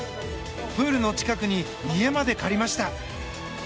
プールの近くに家まで借りました。